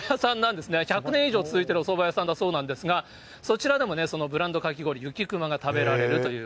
１００年以上続いているおそば屋さんだそうなんですけど、そちらでも、そのブランドかき氷、ゆきくまが食べられるという。